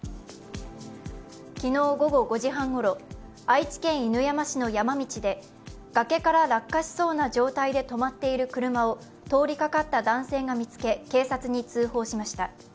昨日午後５時半ごろ、愛知県犬山市の山道で崖から落下しそうな状態で止まっている車を通りかかった男性が見つけ警察に通報しました。